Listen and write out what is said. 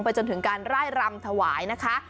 จนถึงการไล่รำถวายนะคะ